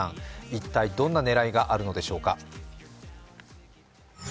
一体どんなねらいがあるのでしょうか？